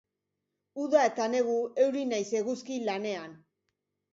Uda eta negu, euri nahiz eguzki, lanean.